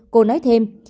cô nói thêm